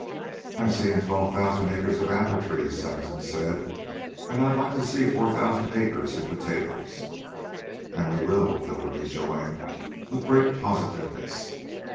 "I've seen twelve thousand acres of apple trees," Saxon said. "And I'd like to see four thousand acres in potatoes." "And we will," Billy rejoined with great positiveness.